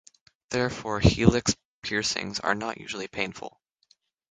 Therefore, helix piercings are not usually painful.